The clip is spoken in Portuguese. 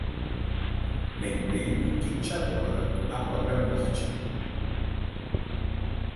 Nem teme, quem te adora, à própria morte